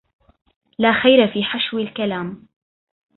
لا خير في حشو الكلام